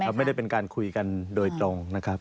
ไม่ได้เป็นการคุยกันโดยตรงนะครับ